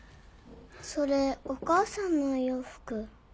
それお母さんのお洋服。